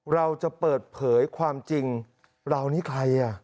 เราจะเปิดเผยความจริงเรานี่ใครอ่ะ